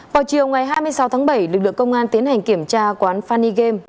vào chiều ngày hai mươi sáu tháng bảy lực lượng công an tiến hành kiểm tra quán fany game